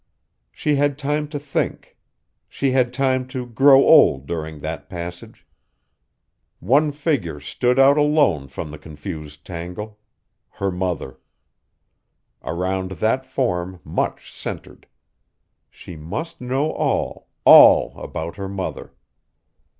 She had time to think. She had time to grow old during that passage. One figure stood out alone from the confused tangle her mother! Around that form much centred! She must know all all, about her mother.